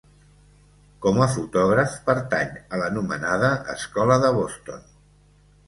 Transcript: Com a fotògraf, pertany a l'anomenada escola de Boston.